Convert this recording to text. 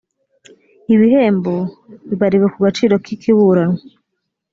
ibihembo bibariwe ku gaciro k ikiburanwa